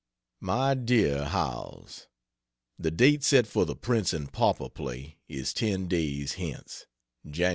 MY DEAR HOWELLS, The date set for the Prince and Pauper play is ten days hence Jan.